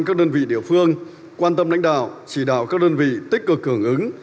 các đơn vị địa phương quan tâm lãnh đạo chỉ đạo các đơn vị tích cực hưởng ứng